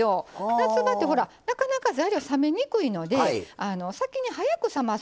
夏場ってほらなかなか材料冷めにくいので先に早く冷ますっていうのが大事。